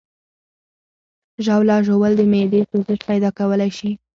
ژاوله ژوول د معدې سوزش پیدا کولی شي.